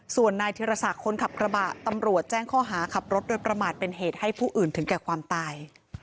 ส่วนนายธิรศักดิ์คนขับกระบะตำรวจแจ้งข้อหาขับรถโดยประมาทเป็นเหตุให้ผู้อื่นถึงแก่ความตาย